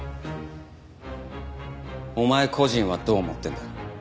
お前個人はどう思ってるんだ？